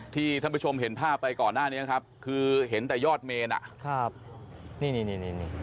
ท่านผู้ชมเห็นภาพไปก่อนหน้านี้ครับคือเห็นแต่ยอดเมนอ่ะครับนี่นี่นี่